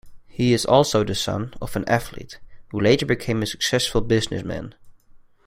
He is also the son of an athlete who later became a successful businessman.